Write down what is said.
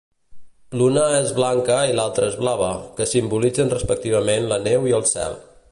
L'una és blanca i l'altra és blava, que simbolitzen respectivament la neu i el cel.